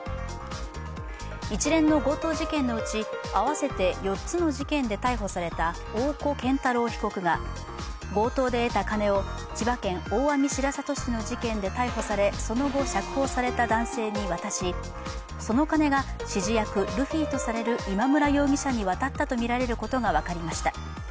一連の強盗事件のうち、合わせて４つの事件で逮捕された大古健太郎被告が強盗で得た金を千葉県大網白里市の事件で逮捕されその後釈放された男性に渡し、その金が指示役・ルフィとされる今村容疑者に渡ったとみられることが分かりました。